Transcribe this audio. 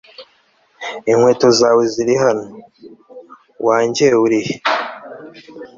inkweto zawe ziri hano. wanjye uri he